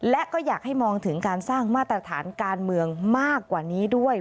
และก็อยากให้มองถึงการสร้างมาตรฐานการเมืองมากกว่านี้ด้วย